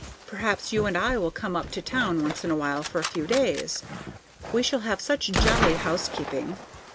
Perhaps you and I will come up to town once in a while for a few days. We shall have such jolly housekeeping.